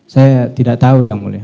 saya tidak tahu yang mulia